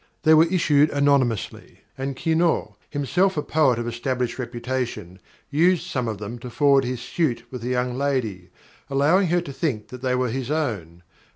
They were issued anonymously, and Quinault, himself a poet of established reputation, used some of them to forward his suit with a young lady, allowing her to think that they were his own.